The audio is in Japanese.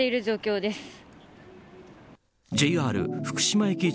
ＪＲ福島駅